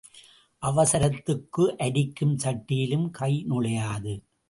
அவசரத்துக்கு அரிக்கும் சட்டியிலும் கை நுழையாது.